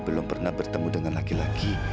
belum pernah bertemu dengan laki laki